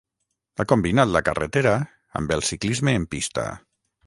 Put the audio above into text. Ha combinat la carretera amb el ciclisme en pista.